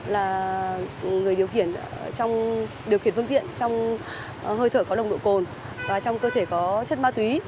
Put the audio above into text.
là người điều khiển phương tiện trong hơi thở có lồng độ cồn và trong cơ thể có chất ma túy